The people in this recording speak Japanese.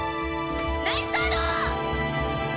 ナイスサード！